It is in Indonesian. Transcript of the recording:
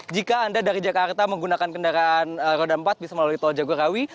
jika anda dari jakarta menggunakan kendaraan roda empat bisa melalui tol jagorawi